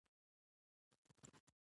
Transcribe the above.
کريم اووه لکه نورې روپۍ پېدا نه شوى کړى .